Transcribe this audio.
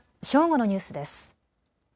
正午のニュースです。